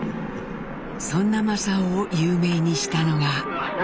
そんな正雄を有名にしたのが。